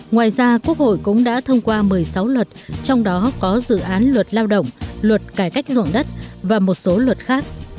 ngoài ra quốc hội cũng đã thông qua một mươi sáu luật trong đó có dự án luật lao động luật cải cách ruộng đất và một số luật khác